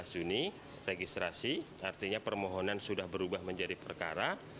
sebelas juni registrasi artinya permohonan sudah berubah menjadi perkara